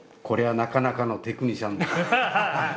こりゃなかなかのテクニシャンだ」。